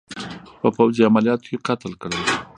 په پوځي عملیاتو کې قتل کړل.